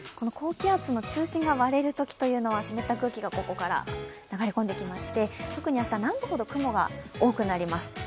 高気圧の中心が割れるときは湿った空気がここから流れ込んできまして特に明日、南部ほど雲が多くなります。